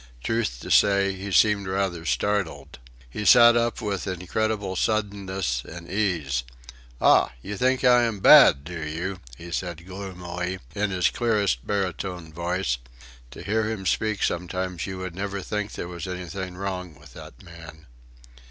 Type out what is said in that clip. Truth to say, he seemed rather startled. He sat up with incredible suddenness and ease. "Ah! You think I am bad, do you?" he said gloomily, in his clearest baritone voice (to hear him speak sometimes you would never think there was anything wrong with that man).